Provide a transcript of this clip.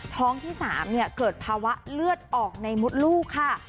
ท้องที่๓เกิดภาวะเลือดออกในมดลูกค่ะ